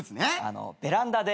ベランダで。